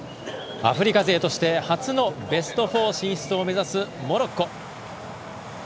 アフリカ勢として初のベスト４進出を目指すモロッコ。